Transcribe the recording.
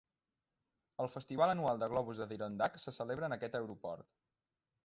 El festival anual de globus d'Adirondack se celebra en aquest aeroport.